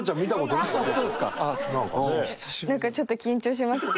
なんかちょっと緊張しますね。